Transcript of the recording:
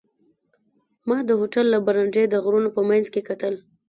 ما د هوټل له برنډې د غرونو په منځ کې کتل.